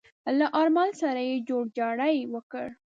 له آرمل سره يې جوړجاړی وکړ.